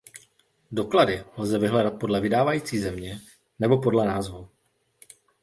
Doklady lze vyhledat podle vydávající země nebo podle názvu.